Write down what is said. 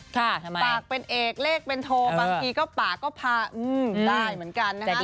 ปากเป็นเอกเลขเป็นโทบางทีก็ปากก็พาได้เหมือนกันนะคะ